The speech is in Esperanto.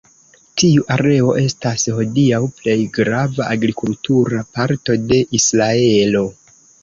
Tiu areo estas hodiaŭ plej grava agrikultura parto de Israelo.